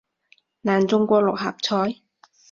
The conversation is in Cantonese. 難中過六合彩